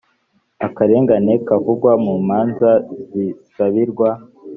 akarengane kavugwa mu manza zisabirwa